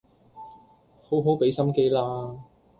好好畀心機啦